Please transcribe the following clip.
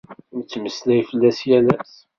Nettmeslay fell-as yal ass.